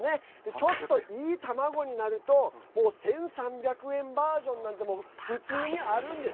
ちょっといい卵になると１３００円バージョンなんてもう普通にあるんです。